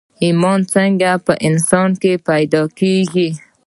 ايمان څنګه په انسان کې پيدا کېږي